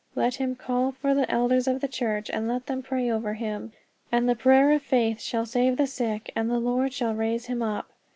let him call for the elders of the church; and let them pray over him, ... and the prayer of faith shall save the sick, and the Lord shall raise him up."